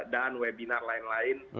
dan webinar lain lain